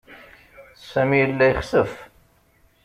Sami yella yexsef.